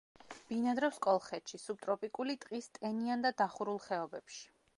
ბინადრობს კოლხეთში, სუბტროპიკული ტყის ტენიან და დახურულ ხეობებში.